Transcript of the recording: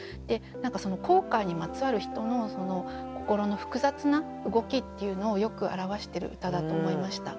後悔にまつわる人の心の複雑な動きっていうのをよく表してる歌だと思いました。